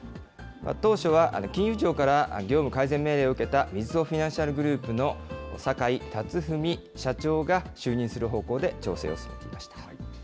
当初は金融庁から業務改善命令を受けたみずほフィナンシャルグループの坂井辰史社長が就任する方向で調整を進めていました。